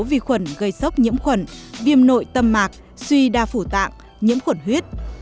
vi khuẩn gây sốc nhiễm khuẩn viêm nội tâm mạc suy đa phủ tạng nhiễm khuẩn huyết